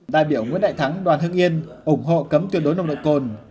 đại biểu nguyễn đại thắng đoàn hưng yên ủng hộ cấm tuyệt đối nồng độ cồn